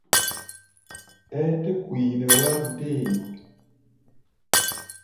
Ɛ́ɛ́ tɛ́ ku yi nɛ wár dée?